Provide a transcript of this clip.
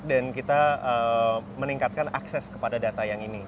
dan kita meningkatkan akses kepada data yang ini